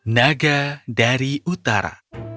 naga dari utara